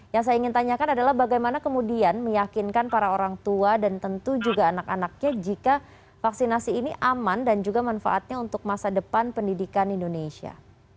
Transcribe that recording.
yang saya ingin tanyakan adalah bagaimana kemudian meyakinkan para orang tua dan tentu juga anak anaknya jika vaksinasi ini aman dan juga manfaatnya untuk masa depan pendidikan indonesia